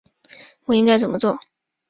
我应该怎样做？